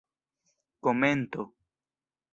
komento